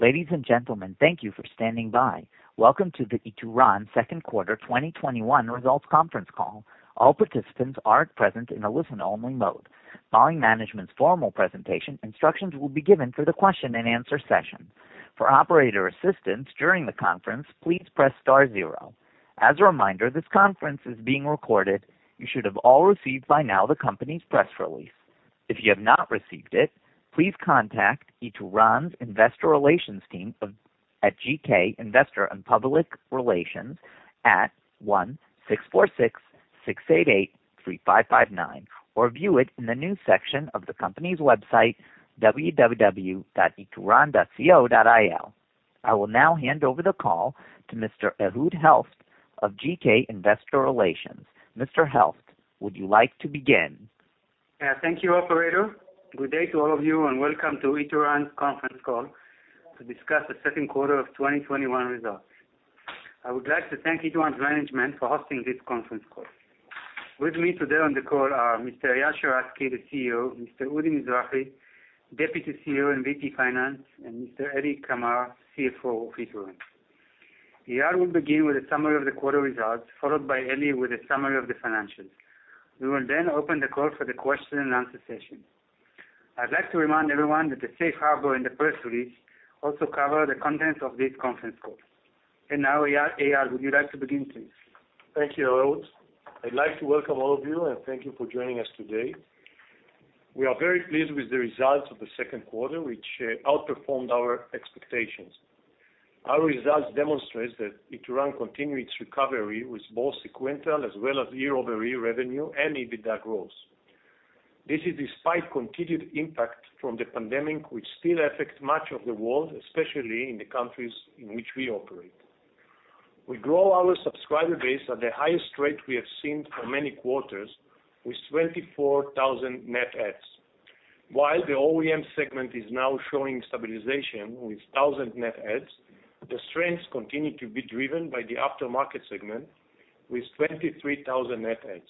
Ladies and gentlemen, thank you for standing by. Welcome to the Ituran second quarter 2021 results conference call. All participants are at present in a listen-only mode. Following management's formal presentation, instructions will be given for the question and answer session. For operator assistance during the conference, please press star zero. As a reminder, this conference is being recorded. You should have all received by now the company's press release. If you have not received it, please contact Ituran's investor relations team at GK Investor and Public Relations at 1-646-688-3559 or view it in the new section of the company's website, www.ituran.com. I will now hand over the call to Mr. Ehud Helft of GK Investor Relations. Mr. Helft, would you like to begin? Yeah. Thank you, operator. Good day to all of you, and welcome to Ituran's conference call to discuss the second quarter of 2021 results. I would like to thank Ituran's management for hosting this conference call. With me today on the call are Mr. Eyal Sheratzky, the CEO; Mr. Udi Mizrahi, Deputy CEO and VP Finance; and Mr. Eli Kamer, CFO of Ituran. Eyal will begin with a summary of the quarter results, followed by Eli with a summary of the financials. We will then open the call for the question and answer session. I'd like to remind everyone that the safe harbor in the press release also cover the content of this conference call. Now, Eyal, would you like to begin, please? Thank you, Ehud. I'd like to welcome all of you, and thank you for joining us today. We are very pleased with the results of the second quarter, which outperformed our expectations. Our results demonstrate that Ituran continue its recovery with both sequential as well as year-over-year revenue and EBITDA growth. This is despite continued impact from the pandemic, which still affects much of the world, especially in the countries in which we operate. We grow our subscriber base at the highest rate we have seen for many quarters with 24,000 net adds. While the OEM segment is now showing stabilization with 1,000 net adds, the strengths continue to be driven by the aftermarket segment with 23,000 net adds.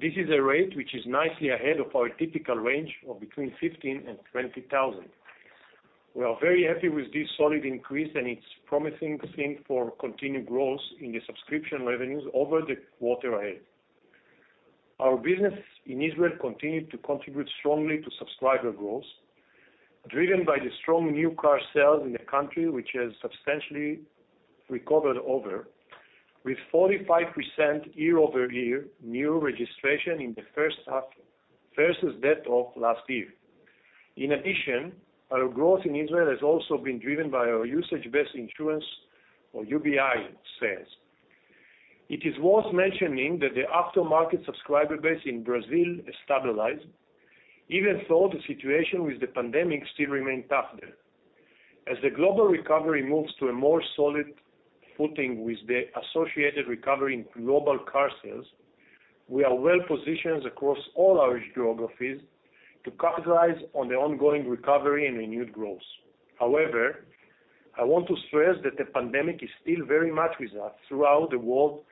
This is a rate which is nicely ahead of our typical range of between 15,000 and 20,000. We are very happy with this solid increase, and it's promising thing for continued growth in the subscription revenues over the quarter ahead. Our business in Israel continued to contribute strongly to subscriber growth, driven by the strong new car sales in the country, which has substantially recovered over, with 45% year-over-year new registration in the first half versus that of last year. In addition, our growth in Israel has also been driven by our usage-based insurance or UBI sales. It is worth mentioning that the aftermarket subscriber base in Brazil has stabilized even though the situation with the pandemic still remains tough there. As the global recovery moves to a more solid footing with the associated recovery in global car sales, we are well-positioned across all our geographies to capitalize on the ongoing recovery and renewed growth. However, I want to stress that the pandemic is still very much with us throughout the world,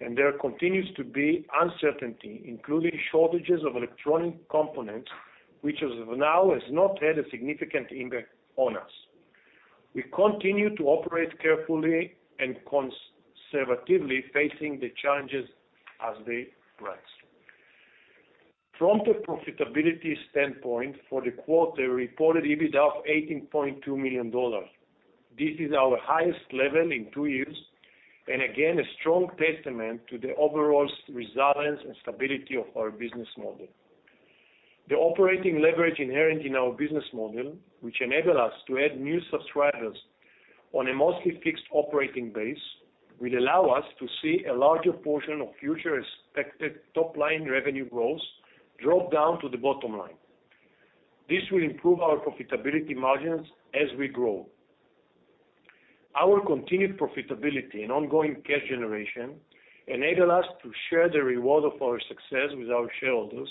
and there continues to be uncertainty, including shortages of electronic components, which as of now has not had a significant impact on us. We continue to operate carefully and conservatively, facing the challenges as they arise. From the profitability standpoint for the quarter, reported EBITDA of $18.2 million. This is our highest level in two years, and again, a strong testament to the overall resilience and stability of our business model. The operating leverage inherent in our business model, which enable us to add new subscribers on a mostly fixed operating base, will allow us to see a larger portion of future expected top-line revenue growth drop down to the bottom line. This will improve our profitability margins as we grow. Our continued profitability and ongoing cash generation enable us to share the reward of our success with our shareholders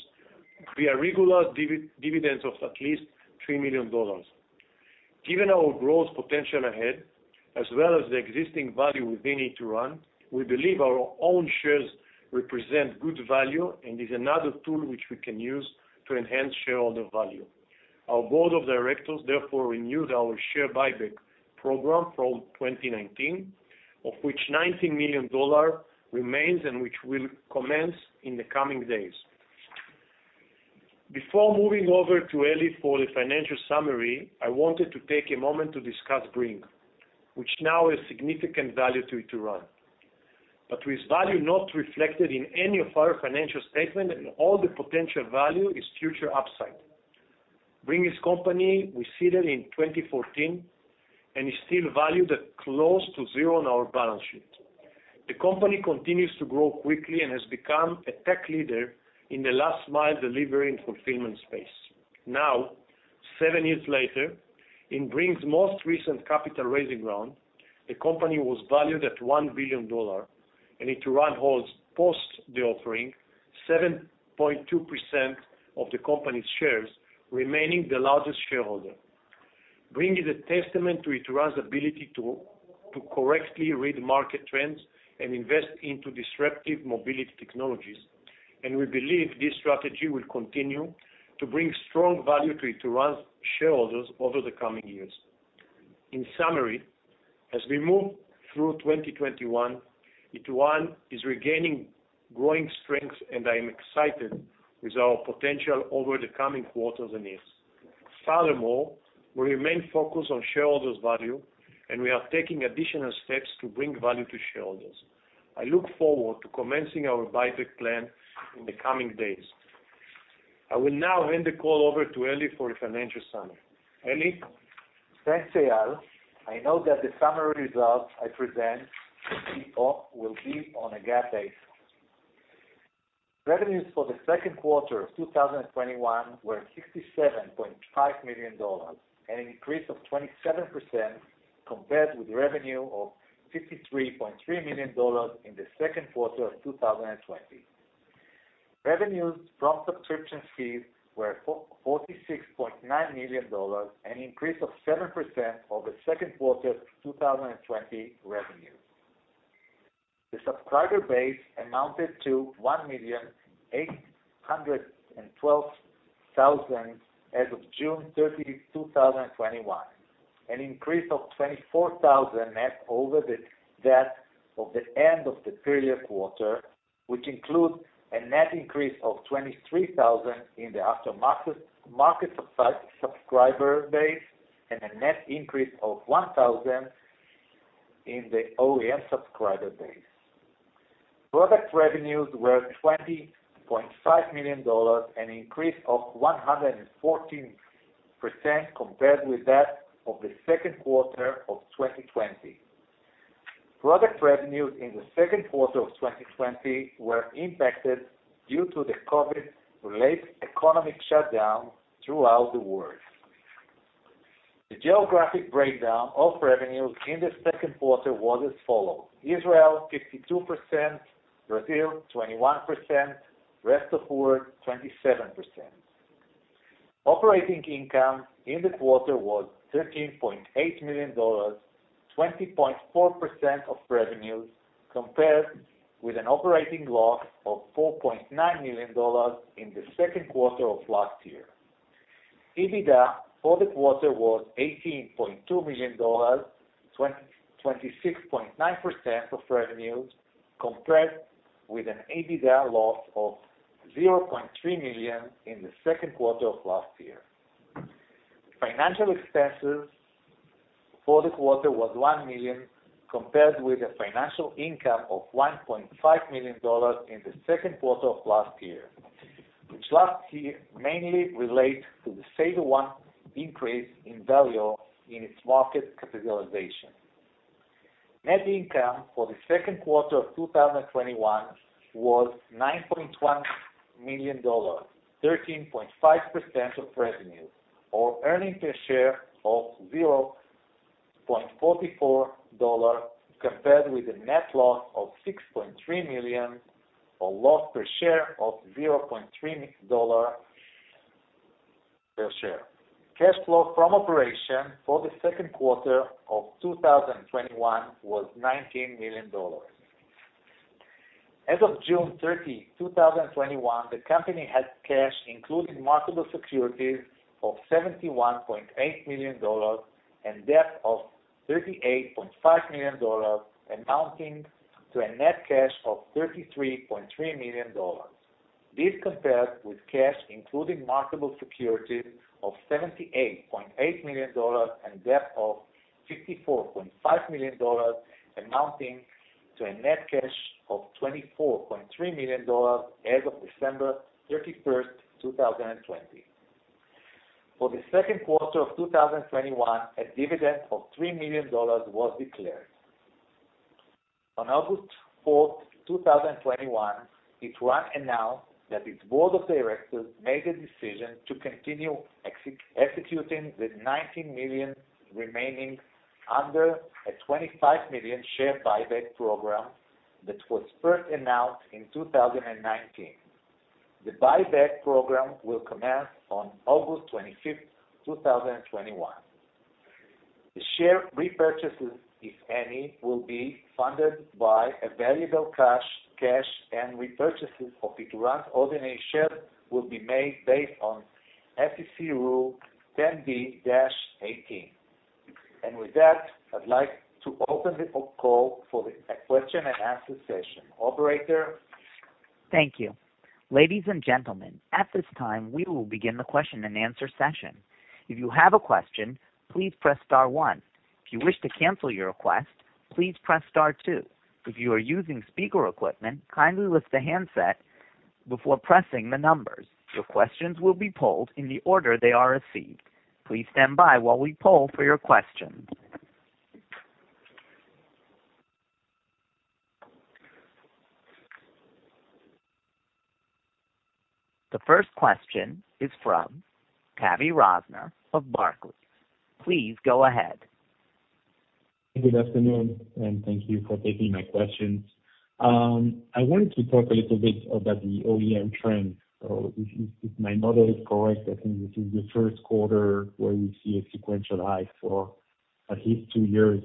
via regular dividends of at least ILS 3 million. Given our growth potential ahead, as well as the existing value within Ituran, we believe our own shares represent good value and is another tool which we can use to enhance shareholder value. Our board of directors, therefore, renewed our share buyback program from 2019, of which ILS 90 million remains and which will commence in the coming days. Before moving over to Eli for the financial summary, I wanted to take a moment to discuss Bringg, which now is significant value to Ituran, but with value not reflected in any of our financial statement and all the potential value is future upside. Bringg is company we seeded in 2014 and is still valued at close to zero on our balance sheet. The company continues to grow quickly and has become a tech leader in the last mile delivery and fulfillment space. Now, seven years later, in Bringg's most recent capital raising round, the company was valued at $1 billion. Ituran holds, post the offering, 7.2% of the company's shares, remaining the largest shareholder. Bringg is a testament to Ituran's ability to correctly read market trends and invest into disruptive mobility technologies. We believe this strategy will continue to bring strong value to Ituran's shareholders over the coming years. In summary, as we move through 2021, Ituran is regaining growing strengths. I am excited with our potential over the coming quarters and years. Furthermore, we remain focused on shareholders' value. We are taking additional steps to bring value to shareholders. I look forward to commencing our buyback plan in the coming days. I will now hand the call over to Eli for a financial summary. Eli? Thanks, Eyal. I know that the summary results I present will be on a GAAP basis. Revenues for the second quarter of 2021 were $67.5 million, an increase of 27% compared with revenue of $53.3 million in the second quarter of 2020. Revenues from subscription fees were $46.9 million, an increase of 7% over second quarter 2020 revenue. The subscriber base amounted to 1,812,000 as of June 30, 2021, an increase of 24,000 net over that of the end of the previous quarter, which includes a net increase of 23,000 in the aftermarket subscriber base and a net increase of 1,000 in the OEM subscriber base. Product revenues were $20.5 million, an increase of 114% compared with that of the second quarter of 2020. Product revenues in the second quarter of 2020 were impacted due to the COVID-related economic shutdown throughout the world. The geographic breakdown of revenues in the second quarter was as follows: Israel 52%, Brazil 21%, rest of world 27%. Operating income in the quarter was $13.8 million, 20.4% of revenues, compared with an operating loss of $4.9 million in the second quarter of last year. EBITDA for the quarter was $18.2 million, 26.9% of revenues, compared with an EBITDA loss of $0.3 million in the second quarter of last year. Financial expenses for the quarter was $1 million, compared with a financial income of $1.5 million in the second quarter of last year, which last year mainly relate to the SaverOne increase in value in its market capitalization. Net income for the second quarter of 2021 was $9.1 million, 13.5% of revenues, or earnings per share of $0.44, compared with a net loss of $6.3 million or loss per share of $0.3 per share. Cash flow from operation for the second quarter of 2021 was $19 million. As of June 30, 2021, the company had cash, including marketable securities, of $71.8 million and debt of $38.5 million, amounting to a net cash of $33.3 million. This compares with cash, including marketable securities, of $78.8 million and debt of $54.5 million, amounting to a net cash of $24.3 million as of December 31, 2020. For the second quarter of 2021, a dividend of $3 million was declared. On August 4, 2021, Ituran announced that its board of directors made the decision to continue executing the $19 million remaining under a 25 million-share buyback program that was first announced in 2019. The buyback program will commence on August 25, 2021. The share repurchases, if any, will be funded by available cash, and repurchases of Ituran's ordinary shares will be made based on SEC Rule 10b-18. With that, I'd like to open the call for the question-and-answer session. Operator? Thank you. Ladies and gentlemen, at this time, we will begin the question-and-answer session. The first question is from Tavy Rosner of Barclays. Please go ahead. Good afternoon, and thank you for taking my questions. I wanted to talk a little bit about the OEM trend. If my model is correct, I think this is the first quarter where we see a sequential high for at least two years.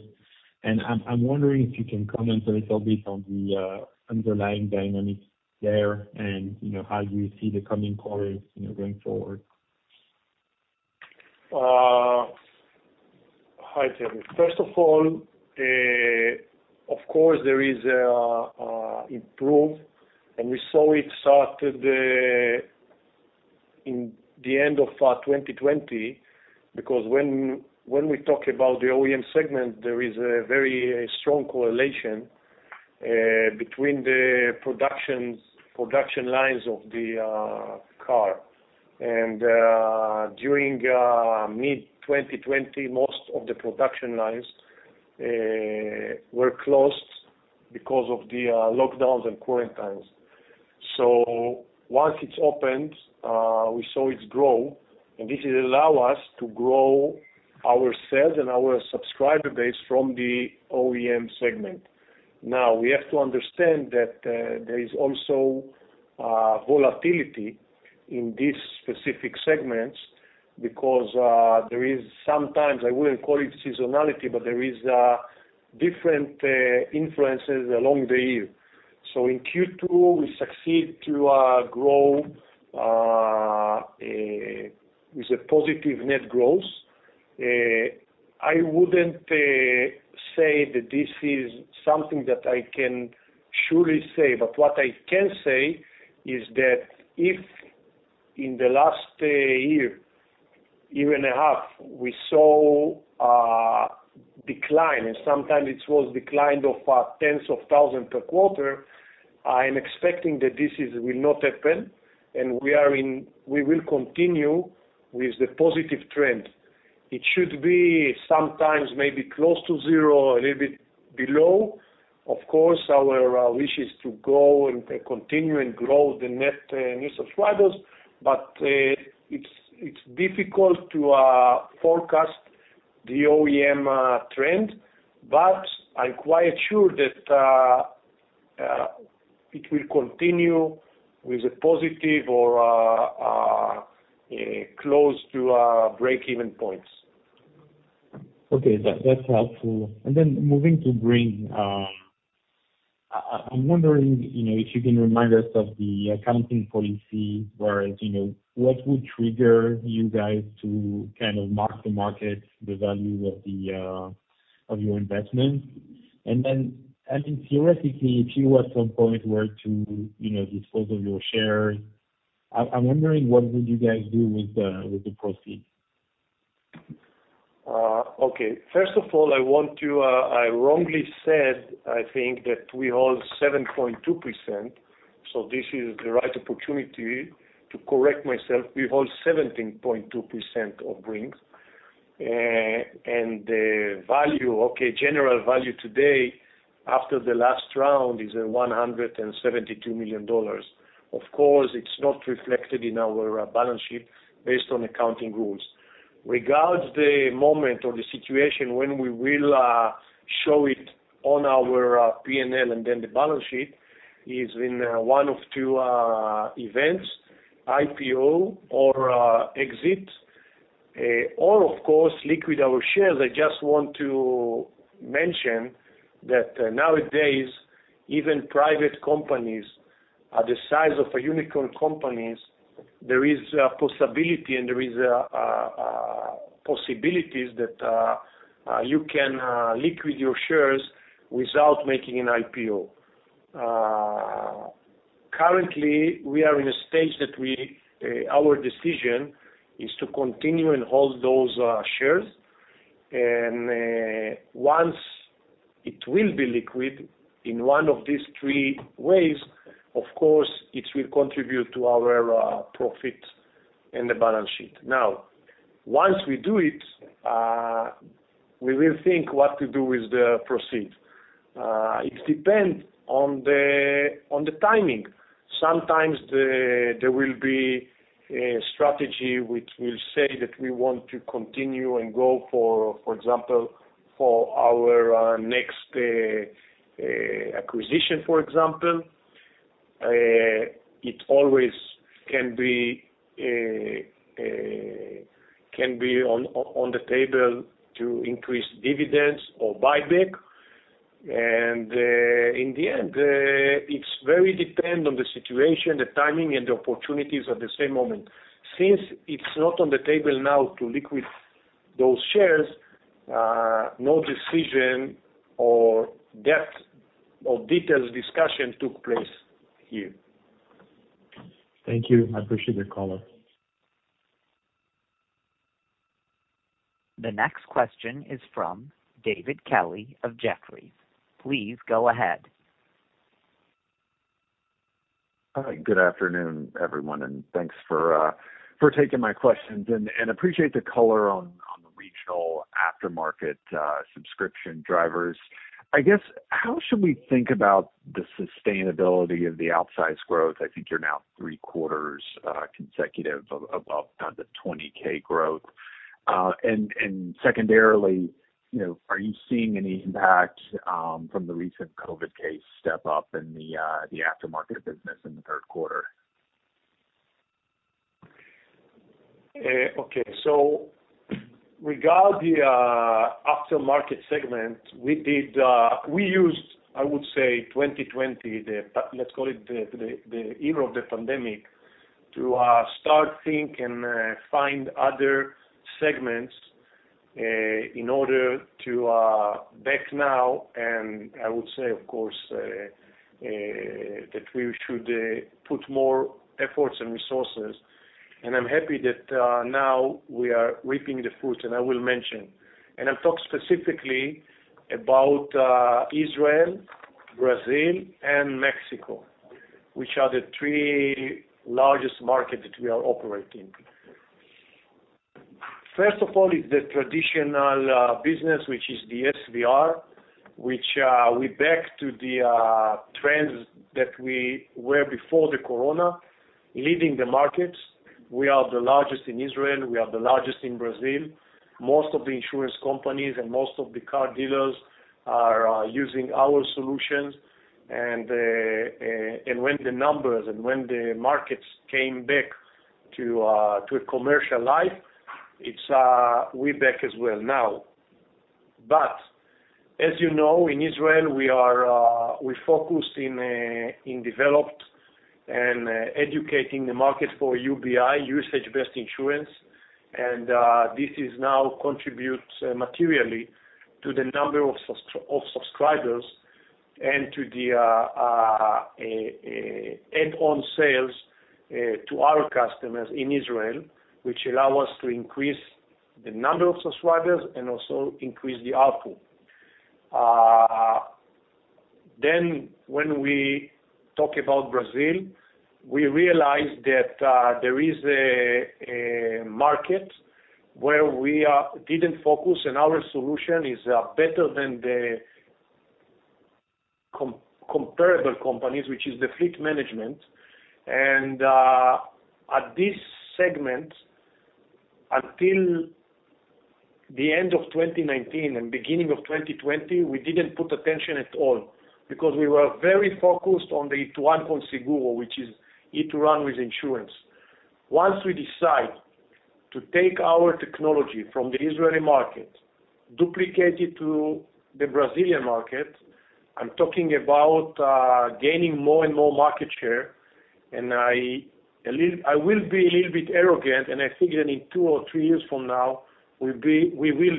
I'm wondering if you can comment a little bit on the underlying dynamics there and how you see the coming quarters going forward. Hi, Tavy. First of all, of course there is improve, and we saw it start in the end of 2020, because when we talk about the OEM segment, there is a very strong correlation between the production lines of the car. During mid-2020, most of the production lines were closed because of the lockdowns and quarantines. Once it opened, we saw it grow, and this allow us to grow our sales and our subscriber base from the OEM segment. Now, we have to understand that there is also volatility in these specific segments because there is sometimes, I wouldn't call it seasonality, but there is different influences along the year. In Q2, we succeed to grow with a positive net growth. I wouldn't say that this is something that I can surely say, but what I can say is that if in the last year and a half, we saw a decline, and sometimes it was decline of tens of thousand per quarter, I am expecting that this will not happen, and we will continue with the positive trend. It should be sometimes maybe close to zero or a little bit below. Of course, our wish is to go and continue and grow the net new subscribers, but it's difficult to forecast the OEM trend. But I'm quite sure that it will continue with a positive or close to a breakeven point. Okay. That's helpful. Moving to Bringg, I'm wondering if you can remind us of the accounting policy where what would trigger you guys to kind of mark the market, the value of your investment. I think theoretically, if you at some point were to dispose of your share, I'm wondering what would you guys do with the proceeds? Okay. First of all, I wrongly said, I think, that we hold 7.2%. This is the right opportunity to correct myself. We hold 17.2% of Bringg. The general value today after the last round is $172 million. Of course, it's not reflected in our balance sheet based on accounting rules. Regards the moment or the situation when we will show it on our P&L, and then the balance sheet is in one of two events, IPO or exit, or of course, liquid our shares. I just want to mention that nowadays, even private companies are the size of a unicorn companies, there is a possibility and there is possibilities that you can liquid your shares without making an IPO. Currently, we are in a stage that our decision is to continue and hold those shares, and once it will be liquid in one of these three ways, of course, it will contribute to our profit and the balance sheet. Now, once we do it, we will think what to do with the proceeds. It depends on the timing. Sometimes there will be a strategy which will say that we want to continue and go for example, for our next acquisition, for example. It always can be on the table to increase dividends or buyback. In the end, it's very dependent on the situation, the timing, and the opportunities at the same moment. Since it's not on the table now to liquidate those shares, no decision or depth or detailed discussion took place here. Thank you. I appreciate the color. The next question is from David Kelley of Jefferies. Please go ahead. Good afternoon, everyone, and thanks for taking my questions, and appreciate the color on the regional aftermarket subscription drivers. I guess, how should we think about the sustainability of the outsized growth? I think you're now three quarters consecutive of up kind of 20K growth. Secondarily, are you seeing any impact from the recent COVID case step up in the aftermarket business in the third quarter? Okay. Regarding the after-market segment, we used, I would say 2020, let's call it the era of the pandemic, to start think and find other segments in order to back now, and I would say, of course, that we should put more efforts and resources. I'm happy that now we are reaping the fruit, and I will mention. I'll talk specifically about Israel, Brazil, and Mexico, which are the three largest markets that we operate in. First of all is the traditional business, which is the SVR, which we're back to the trends that were before the Corona, leading the markets. We are the largest in Israel, we are the largest in Brazil. Most of the insurance companies and most of the car dealers are using our solutions, and when the numbers and when the markets came back to a commercial life, we're back as well now. As you know, in Israel, we focused in developing and educating the market for UBI, usage-based insurance, and this now contributes materially to the number of subscribers and to the add-on sales to our customers in Israel, which allow us to increase the number of subscribers and also increase the ARPU. When we talk about Brazil, we realized that there is a market where we didn't focus, and our solution is better than the comparable companies, which is the fleet management. At this segment, until the end of 2019 and beginning of 2020, we didn't put attention at all because we were very focused on the Ituran com Seguro, which is Ituran with insurance. Once we decide to take our technology from the Israeli market, duplicate it to the Brazilian market, I'm talking about gaining more and more market share, and I will be a little bit arrogant, and I figure in two or three years from now, we will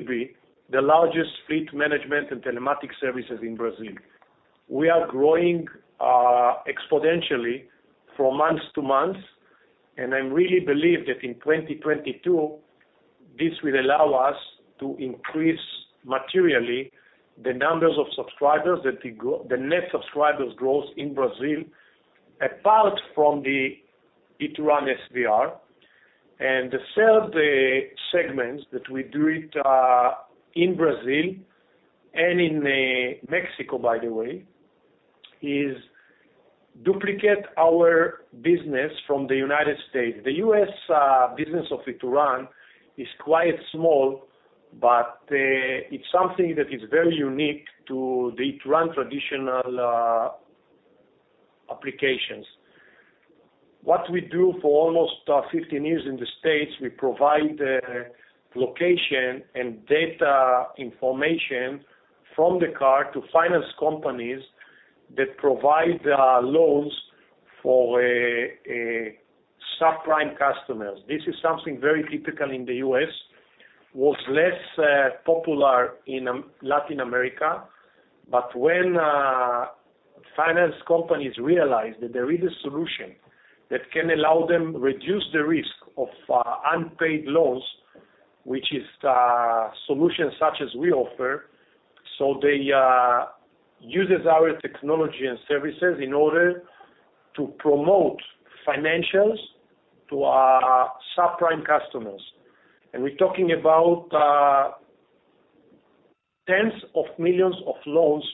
be the largest fleet management and telematic services in Brazil. We are growing exponentially from month to month, and I really believe that in 2022, this will allow us to increase materially the numbers of subscribers, the net subscribers growth in Brazil, apart from the Ituran SVR. The third segment that we do it in Brazil, and in Mexico, by the way, is duplicate our business from the United States. The U.S. business of Ituran is quite small, but it's something that is very unique to the Ituran traditional applications. What we do for almost 15 years in the U.S., we provide location and data information from the car to finance companies that provide loans for subprime customers. This is something very typical in the U.S., was less popular in Latin America. When finance companies realized that there is a solution that can allow them reduce the risk of unpaid loans, which is solutions such as we offer, they use our technology and services in order to promote financials to subprime customers. We're talking about tens of millions of loans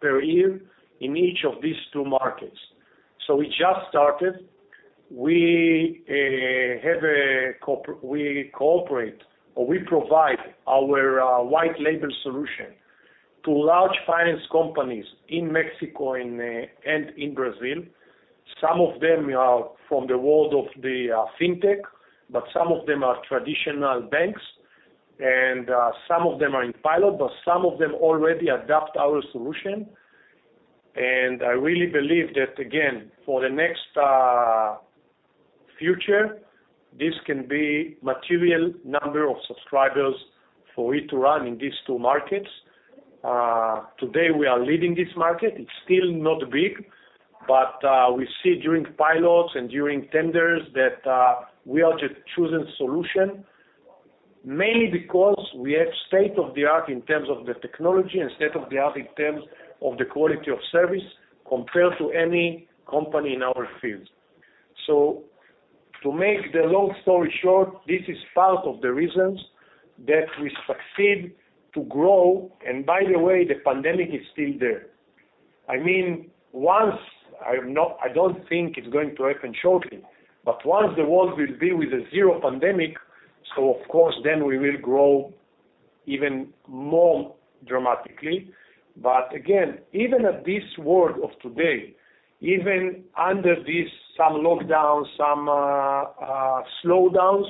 per year in each of these two markets. We just started. We cooperate or we provide our white label solution to large finance companies in Mexico and in Brazil. Some of them are from the world of the fintech, but some of them are traditional banks, and some of them are in pilot, but some of them already adopt our solution. I really believe that, again, for the next future, this can be material number of subscribers for Ituran in these two markets. Today, we are leading this market. It's still not big, but we see during pilots and during tenders that we are the chosen solution, mainly because we have state-of-the-art in terms of the technology and state-of-the-art in terms of the quality of service compared to any company in our field. To make the long story short, this is part of the reasons that we succeed to grow, and by the way, the pandemic is still there. I don't think it's going to happen shortly. Once the world will be with a zero pandemic, of course, we will grow even more dramatically. Again, even at this world of today, even under this, some lockdowns, some slowdowns,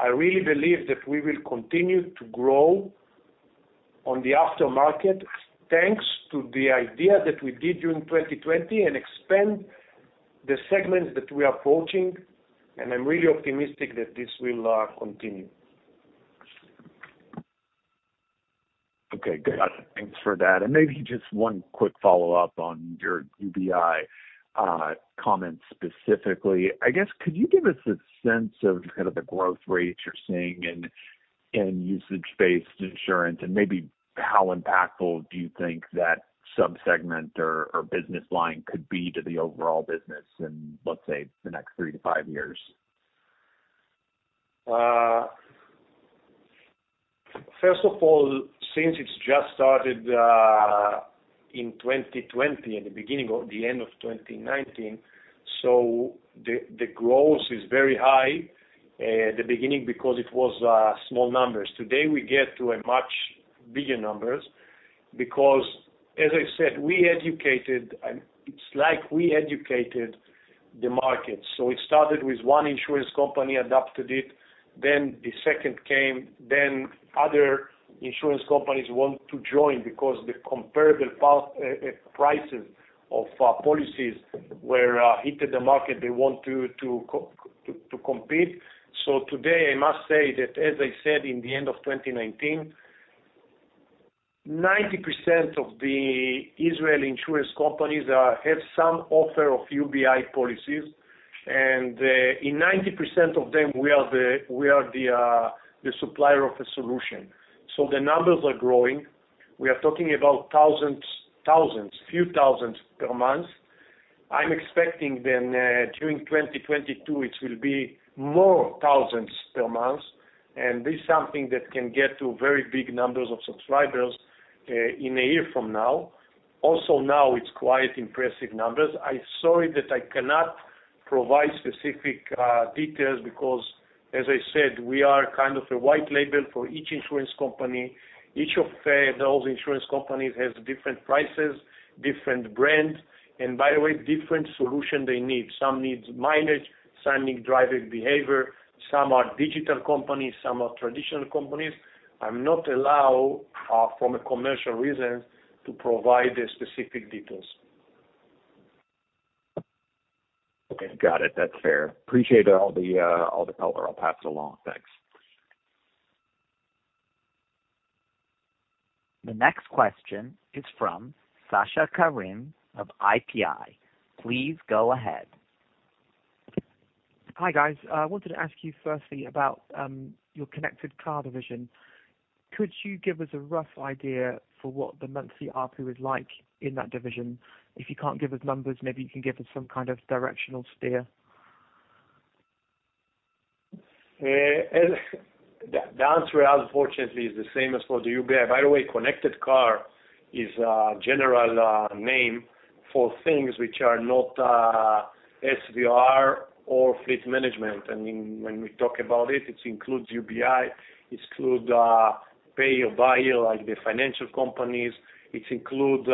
I really believe that we will continue to grow on the aftermarket thanks to the idea that we did during 2020 and expand the segments that we are approaching, and I'm really optimistic that this will continue. Okay, good. Thanks for that. Maybe just one quick follow-up on your UBI comments specifically. I guess, could you give us a sense of kind of the growth rates you're seeing in usage-based insurance, and maybe how impactful do you think that sub-segment or business line could be to the overall business in, let's say, the next three to five years? First of all, since it's just started in 2020, in the beginning of the end of 2019, the growth is very high. At the beginning because it was small numbers. Today, we get to much bigger numbers because, as I said, it's like we educated the market. It started with one insurance company adopted it, then the second came, then other insurance companies want to join because the comparable prices of policies where hit the market, they want to compete. Today, I must say that as I said in the end of 2019, 90% of the Israeli insurance companies have some offer of UBI policies, and in 90% of them, we are the supplier of the solution. The numbers are growing. We are talking about thousands, a few thousand per month. I'm expecting, during 2022, it will be more thousands per month. This is something that can get to very big numbers of subscribers in a year from now. Now it's quite impressive numbers. I sorry that I cannot provide specific details because, as I said, we are kind of a white label for each insurance company. Each of those insurance companies has different prices, different brand, and by the way, different solution they need. Some need mileage, some need driving behavior. Some are digital companies, some are traditional companies. I'm not allowed from a commercial reason to provide the specific details. Okay. Got it. That's fair. Appreciate all the color. I'll pass along. Thanks. The next question is from Sasha Karim of IPI. Please go ahead. Hi, guys. I wanted to ask you firstly about your connected car division. Could you give us a rough idea for what the monthly ARPU is like in that division? If you can't give us numbers, maybe you can give us some kind of directional steer. The answer, unfortunately, is the same as for the UBI. Connected car is a general name for things which are not SVR or fleet management. When we talk about it includes UBI, it includes pay or buy, like the financial companies. It includes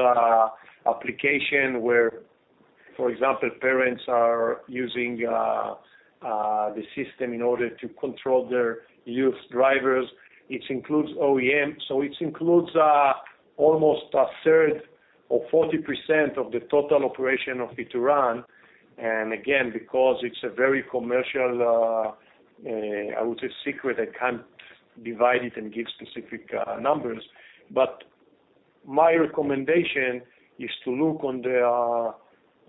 application where, for example, parents are using the system in order to control their youth drivers. It includes OEM. It includes almost a third or 40% of the total operation of Ituran. Again, because it's a very commercial, I would say secret, I can't divide it and give specific numbers. My recommendation is to look on the,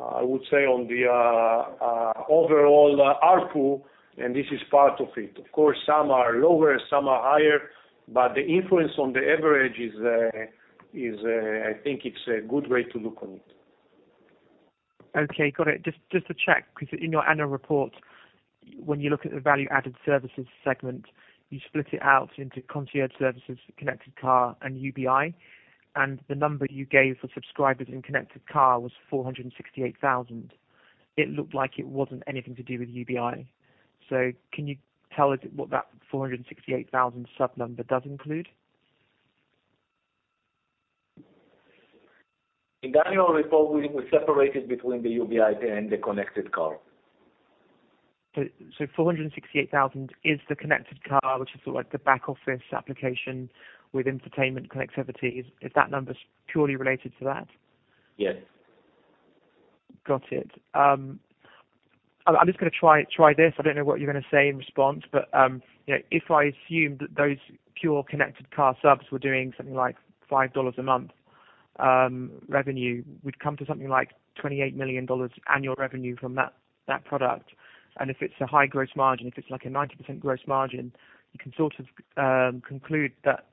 I would say on the overall ARPU, and this is part of it. Of course, some are lower, some are higher, but the influence on the average is, I think it's a good way to look on it. Okay. Got it. Just to check, in your annual report, when you look at the value-added services segment, you split it out into concierge services, connected car, and UBI. The number you gave for subscribers in connected car was 468,000. It looked like it wasn't anything to do with UBI. Can you tell us what that 468,000 sub number does include? In the annual report, we separate it between the UBI and the connected car. 468,000 is the connected car, which is sort like the back-office application with entertainment connectivity. Is that number purely related to that? Yes. Got it. I'm just going to try this. I don't know what you're going to say in response, but if I assume that those pure connected car subs were doing something like $5 a month revenue, we'd come to something like $28 million annual revenue from that product. If it's a high gross margin, if it's like a 90% gross margin, you can sort of conclude that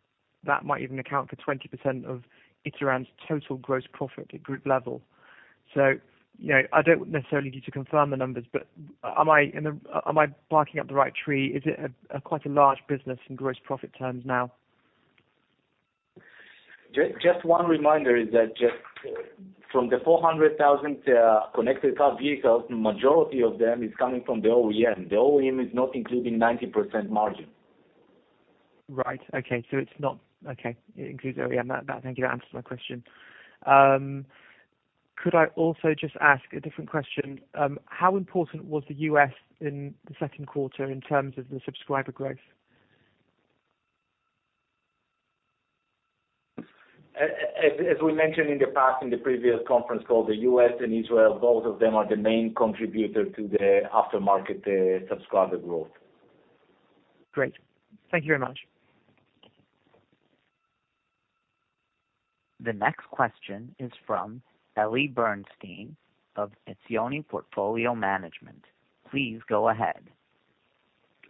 that might even account for 20% of Ituran's total gross profit at group level. I don't necessarily need to confirm the numbers, but am I barking up the right tree? Is it quite a large business in gross profit terms now? Just one reminder is that from the 400,000 connected car vehicles, the majority of them is coming from the OEM. The OEM is not including 90% margin. Right. Okay. It's not Okay, it includes OEM. That, I think, answers my question. Could I also just ask a different question? How important was the U.S. in the second quarter in terms of the subscriber growth? As we mentioned in the past, in the previous conference call, the U.S. and Israel, both of them, are the main contributor to the aftermarket subscriber growth. Great. Thank you very much. The next question is from Eli Bernstein of Etzioni Portfolio Management. Please go ahead.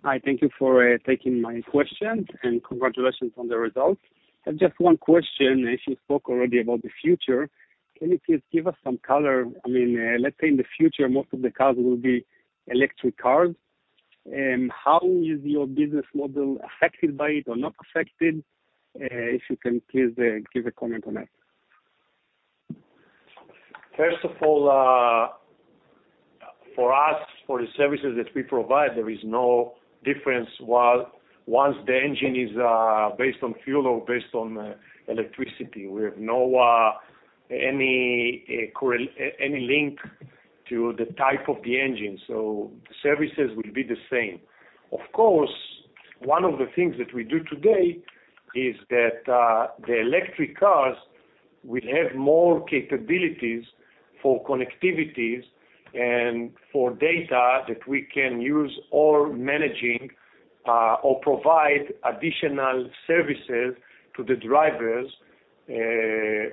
Hi. Thank you for taking my question, and congratulations on the results. I have just one question. You spoke already about the future. Can you please give us some color? Let's say in the future, most of the cars will be electric cars. How is your business model affected by it or not affected? If you can please give a comment on that. First of all, for us, for the services that we provide, there is no difference once the engine is based on fuel or based on electricity. We have any link to the type of the engine, so the services will be the same. Of course, one of the things that we do today is that the electric cars will have more capabilities for connectivities and for data that we can use or managing or provide additional services to the drivers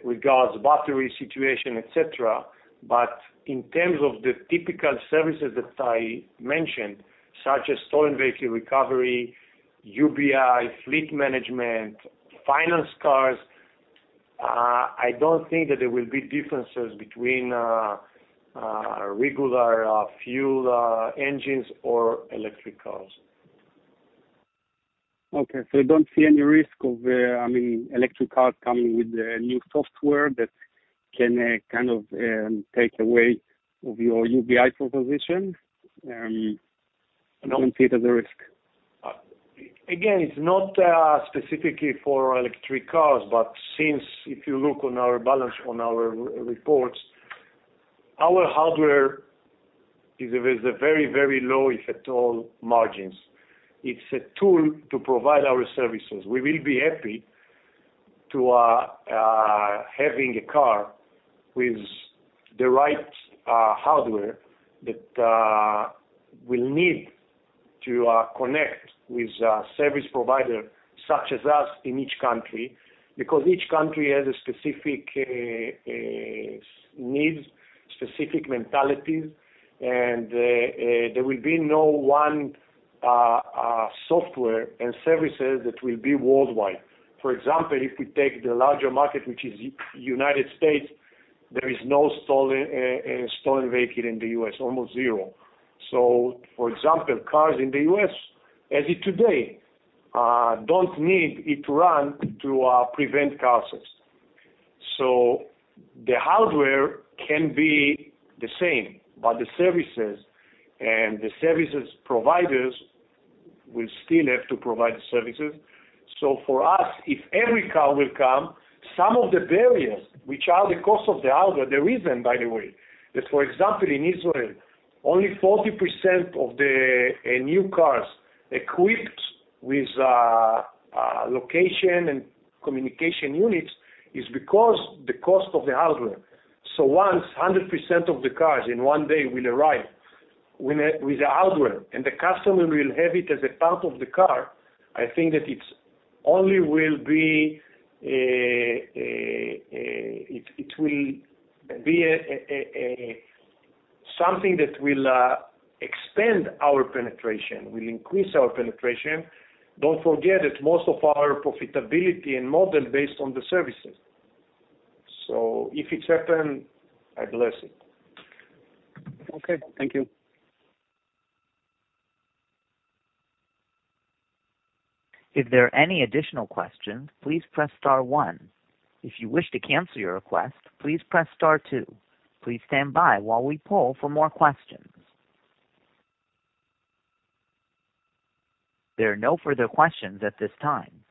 regarding battery situation, et cetera. In terms of the typical services that I mentioned, such as stolen vehicle recovery, UBI, fleet management, finance cars, I don't think that there will be differences between regular fuel engines or electric cars. Okay, you don't see any risk of electric cars coming with a new software that can kind of take away of your UBI proposition? You don't see it as a risk? It's not specifically for electric cars, but since if you look on our balance on our reports, our hardware is a very, very low, if at all, margins. It's a tool to provide our services. We will be happy to having a car with the right hardware that will need to connect with a service provider such as us in each country because each country has a specific needs, specific mentalities, and there will be no one software and services that will be worldwide. For example, if we take the larger market, which is United States, there is no stolen vehicle in the U.S., almost zero. For example, cars in the U.S., as of today, don't need Ituran to prevent car theft. The hardware can be the same, but the services and the services providers will still have to provide the services. For us, if every car will come, some of the barriers, which are the cost of the hardware, the reason, by the way, that, for example, in Israel, only 40% of the new cars equipped with location and communication units is because the cost of the hardware. Once 100% of the cars in one day will arrive with the hardware, and the customer will have it as a part of the car, I think that it only will be something that will expand our penetration, will increase our penetration. Don't forget that most of our profitability and model based on the services. If it happens, I bless it. Okay. Thank you. There are no further questions at this time.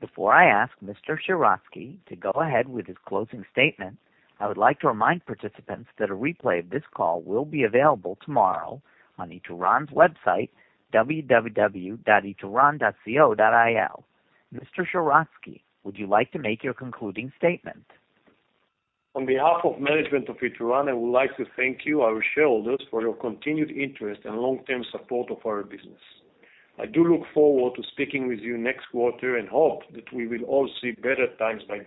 Before I ask Mr. Sheratzky to go ahead with his closing statement, I would like to remind participants that a replay of this call will be available tomorrow on Ituran's website, www.ituran.com. Mr. Sheratzky, would you like to make your concluding statement? On behalf of management of Ituran, I would like to thank you, our shareholders, for your continued interest and long-term support of our business. I do look forward to speaking with you next quarter and hope that we will all see better times by then.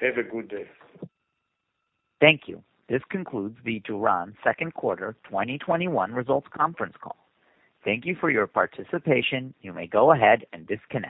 Have a good day. Thank you. This concludes the Ituran second quarter 2021 results conference call. Thank you for your participation. You may go ahead and disconnect.